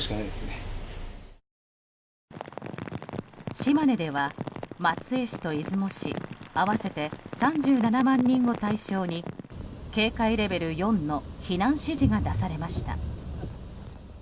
島根では松江市と出雲市合わせて３７万人を対象に警戒レベル４の避難指示が出されました。